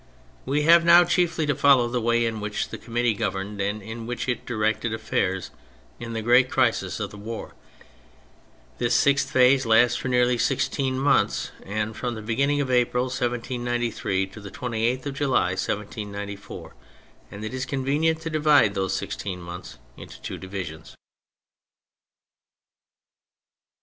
We have now chiefly to follow the way in which the Committee governed and in which it directed affairs in the great crisis of the war. This sixth phase lasts for nearly sixteen months, from the beginning of April 1793 to the 28th of July 1794, and it is convenient to divide those sixteen months into two divisions.